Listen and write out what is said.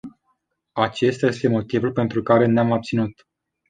Acesta este motivul pentru care ne-am abținut.